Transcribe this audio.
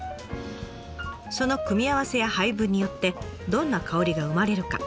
その組み合わせや配分によってどんな香りが生まれるか。